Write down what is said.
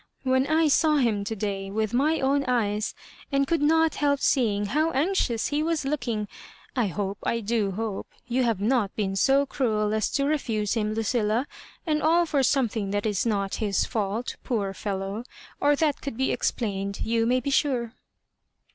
When I saw him to day with my own eyes, and could not help seeing how anxious he was looking! I hope, I do hope, you have not been so cruel as to refuse him, Lucilla — and all ' for something that is not his fault, poor fellow, or that could be explained, you may be sure."